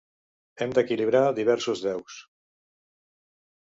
Hem d'equilibrar diversos deus.